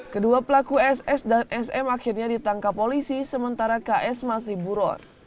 kedua pelaku ss dan sm akhirnya ditangkap polisi sementara ks masih buron